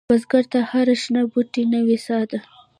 بزګر ته هره شنه بوټۍ نوې سا ده